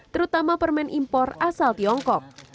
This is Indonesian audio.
terutama permen impor asal tiongkok